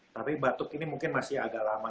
tapi batuk ini mungkin masih agak lama